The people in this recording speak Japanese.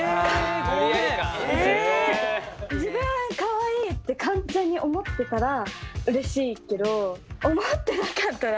自分はかわいいって完全に思ってたらうれしいけど思ってなかったら。